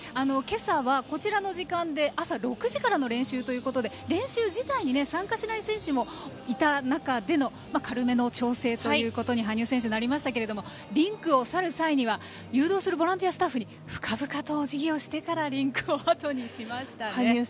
今朝はこちらの時間で朝６時からの練習ということで練習自体に参加しない選手もいた中での軽めの調整ということに羽生選手はなりましたがリンクを去る際には誘導するボランティアスタッフに深々とおじぎをしてからリンクをあとにしましたね。